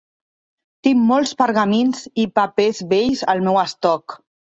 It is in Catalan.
Tinc molts pergamins i papers vells al meu estoc.